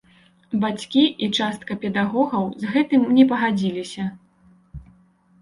Бацькі і частка педагогаў з гэтым не пагадзіліся.